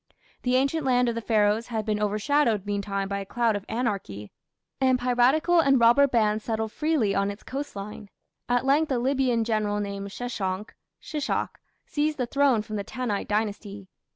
The ancient land of the Pharaohs had been overshadowed meantime by a cloud of anarchy, and piratical and robber bands settled freely on its coast line. At length a Libyan general named Sheshonk (Shishak) seized the throne from the Tanite Dynasty.